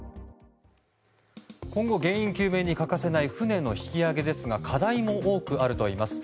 今後原因究明に欠かせない船の引き揚げですが課題も多くあるといいます。